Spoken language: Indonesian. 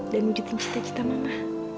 dan menunjukkan cita cita mama